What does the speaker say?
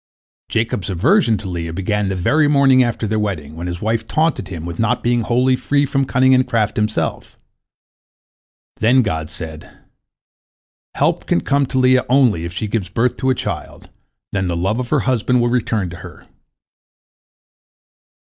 Jacob's aversion to Leah began the very morning after their wedding, when his wife taunted him with not being wholly free from cunning and craft himself. Then God said, "Help can come to Leah only if she gives birth to a child; then the love of her husband will return to her."